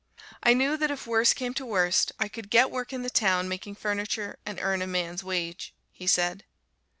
"I knew that if worse came to worst I could get work in the town making furniture and earn a man's wage," he said.